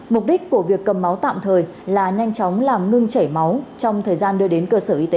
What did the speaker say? mục đích của việc cầm máu tạm thời là nhanh chóng làm ngưng chảy máu trong thời gian đưa đến cơ sở y tế